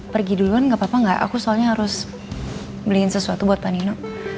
pergi duluan gak apa apa enggak aku soalnya harus beliin sesuatu buat pak nino